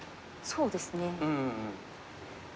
そうですね。